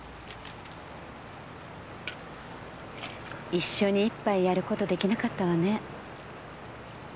一緒に一杯やる事出来なかったわね。